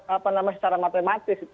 apa namanya secara matematis